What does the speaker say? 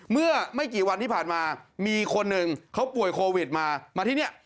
เมื่อไม่กี่วันที่ผ่านมามีคนหนึ่งเขาป่วยโควิดมามาที่นี่